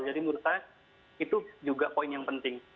jadi menurut saya itu juga poin yang penting